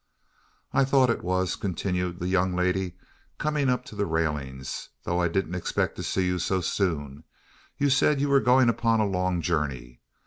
"I thought it was," continued the young lady, coming up to the railings, "though I didn't expect to see you so soon. You said you were going upon a long journey.